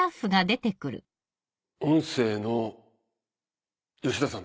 音声の吉田さん。